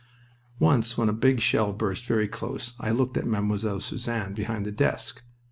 Once when a big shell burst very close I looked at Mademoiselle Suzanne behind the desk.